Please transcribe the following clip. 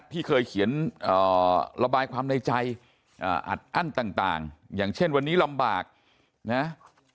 ที่เคยเขียนระบายความในใจอัดอั้นต่างอย่างเช่นวันนี้ลำบากนะ